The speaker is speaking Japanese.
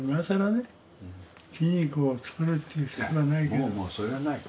もうもうそれはない。